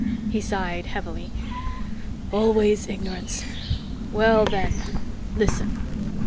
He sighed heavily. "Always ignorance. Well, then, listen."